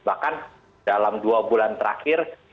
bahkan dalam dua bulan terakhir